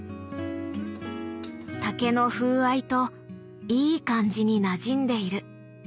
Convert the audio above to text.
竹の風合いといい感じになじんでいる。